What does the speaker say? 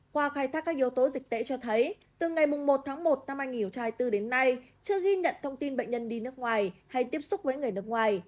qua khai thác các yếu tố dịch tễ cho thấy từ ngày một tháng một năm hai nghìn hai mươi bốn đến nay chưa ghi nhận thông tin bệnh nhân đi nước ngoài hay tiếp xúc với người nước ngoài